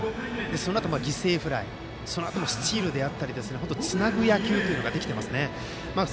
そのあと犠牲フライそのあともスチールなどでつなぐ野球ができていますね。